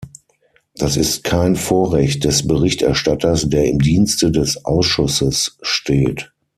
Das ist kein Vorrecht des Berichterstatters, der im Dienste des Ausschusses steht.